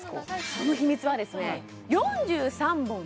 その秘密はですね